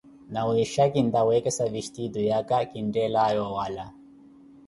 Nawiixa kintta wekesa vistiitu yaka kinttelaye owala.